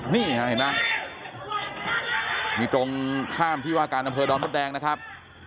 นี่ค่ะเห็นไหมมีตรงข้ามที่ว่าการอำเภอดอนมดแดงนะครับ